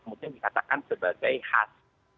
kemudian dikatakan sebagai khas